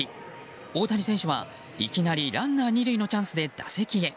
大谷選手は、いきなりランナー２塁のチャンスで打席へ。